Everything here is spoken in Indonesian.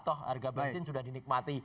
toh harga bensin sudah dinikmati